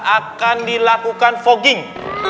akan dilakukan fogging